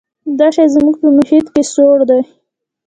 دا شی زموږ په محیط کې سوړ دی.